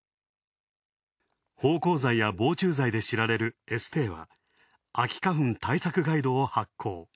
芳香剤や防虫剤で知られる、エステーは秋花粉対策ガイドを発行。